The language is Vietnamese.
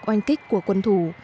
hoạch oanh kích của quân thủ